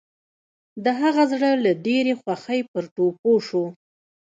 د هغه زړه له ډېرې خوښۍ پر ټوپو شو.